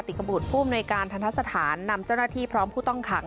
ขบุตรผู้อำนวยการทันทะสถานนำเจ้าหน้าที่พร้อมผู้ต้องขัง